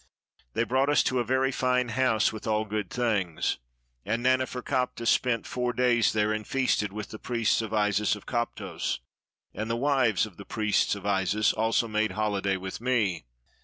They brought us to a very fine house, with all good things; and Naneferkaptah spent four days there and feasted with the priests of Isis of Koptos, and the wives of the priests of Isis also made holiday with me.